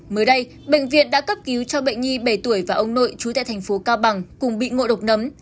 mới đây bệnh viện đã cấp cứu cho bệnh nhi bảy tuổi và ông nội chú tại thành phố cao bằng cùng bị ngộ độc nấm